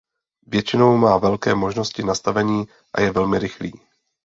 Většinou má velké možnosti nastavení a je velmi rychlý.